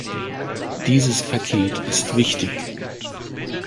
Dieses Paket ist wichtig.